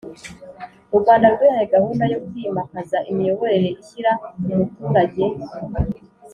U Rwanda rwihaye gahunda yo kwimakaza imiyoborere ishyira umuturage